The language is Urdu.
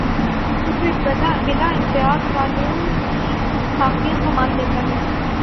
تو پھر بلا امتیاز قانون کی حاکمیت کو مان لیتا ہے۔